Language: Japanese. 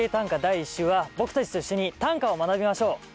第１週は僕たちと一緒に短歌を学びましょう。